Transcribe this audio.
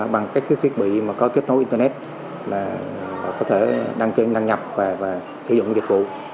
bằng các thiết bị mà có kết nối internet là họ có thể đăng kiểm đăng nhập và sử dụng dịch vụ